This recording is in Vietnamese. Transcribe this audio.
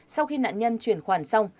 sau khi nạn nhân chuyển khoản xong